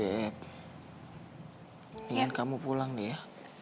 ini inget kamu pulang deh ya